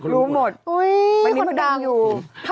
รู้หมดวันนี้มดดำอยู่